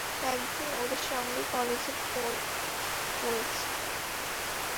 একদিন ওদের সঙ্গে কালেজে পড়েছি।